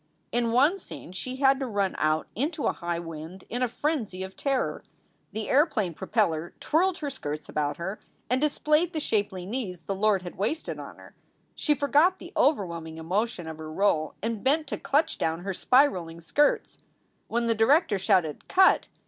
In one scene she had to run out into a high wind in a frenzy of terror. The airplane propeller twirled her skirts about her and displayed the shapely knees the Lord had wasted on her. She forgot the overwhelming emotion of her role and bent to clutch down her spiraling skirts. When the director shouted "Cut!"